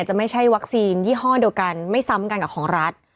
จะไม่ใช่วัคซีนยี่ห้อเดียวกันไม่ซ้ำกันกับของรัฐ